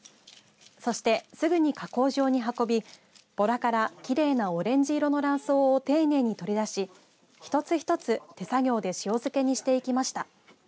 そして、すぐに加工場に運びぼらからきれいなオレンジ色の卵巣を丁寧に取り出し一つ一つ手作業で塩漬けにしていきました。